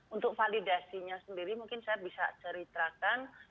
untuk validasinya sendiri mungkin saya bisa ceritakan